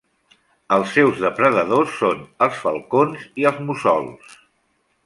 Els seus depredadors són els falcons i els mussols.